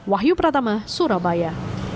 wahyu pratama surabaya